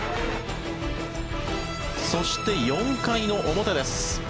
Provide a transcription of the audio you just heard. そして、４回の表です。